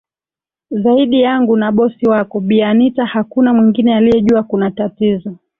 zaidi yangu na bosi wako bi anita hakuna mwingine aliyejua kuna tatizo